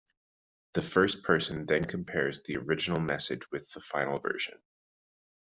The first person then compares the original message with the final version.